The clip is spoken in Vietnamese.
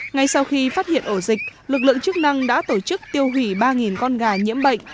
ngay sau khi phát hiện ổ dịch lực lượng chức năng đã tổ chức tiêu hủy ba con gà nhiễm bệnh